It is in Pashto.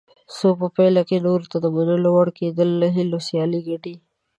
خو په پایله کې نورو ته د منلو وړ کېدل له هیلو سیالي ګټي.